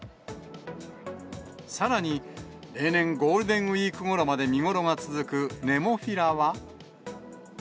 さらに例年、ゴールデンウィークごろまで見頃が続くネモフィラは。